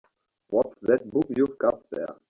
What's that book you've got there?